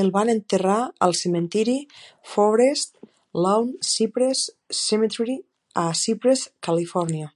El van enterrar al cementiri Forest Lawn Cypress Cemetery, a Cypress, Califòrnia.